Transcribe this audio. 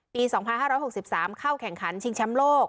ปี๒๕๖๓เข้าแข่งขันชิงแชมป์โลก